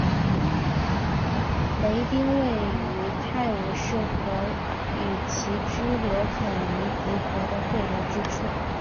雷丁位于泰晤士河与其支流肯尼迪河的汇流之处。